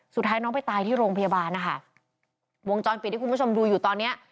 สุดท้ายน้องไปตายที่โรงพยาบาลนะคะวงจรปิดที่คุณผู้ชมดูอยู่ตอนเนี้ย